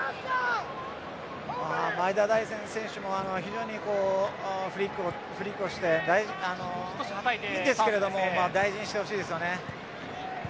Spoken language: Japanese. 前田大然選手も非常にフリックをしていいんですけれども大事にしてほしいですよね。